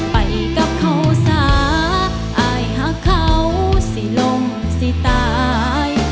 ไปกับเขาสาอายหักเขาสิลมสิตาย